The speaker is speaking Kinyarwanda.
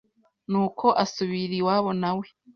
N’uko asubira iwabo nawe